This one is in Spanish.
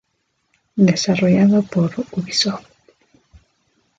Desarrollado por Ubisoft.